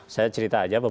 saya cerita aja beberapa